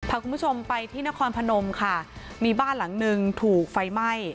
พาคุณผู้ชมไปที่นครพนมค่ะมีบ้านหลังหนึ่งถูกไฟไหม้